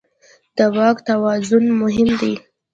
د واک توازن مهم دی.